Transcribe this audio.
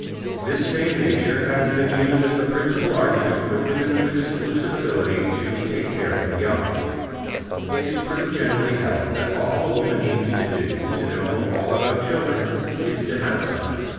This same Nature has been used as the principal argument for woman's exclusive ability to take care of the young. It is pretty generally held that all a woman needs to do to know all about children is to have some.